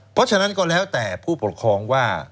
เพราะฉะนั้นก็แล้วแต่ผู้ปกครองว่า